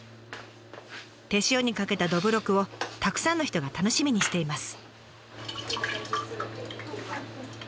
手塩にかけたどぶろくをたくさんの人が楽しみにしています。